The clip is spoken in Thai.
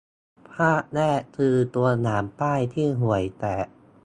ภาพแรก คือตัวอย่างป้ายที่ห่วยแตก